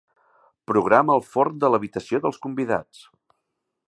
Programa el forn de l'habitació dels convidats.